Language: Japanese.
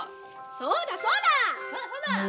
そうだそうだ！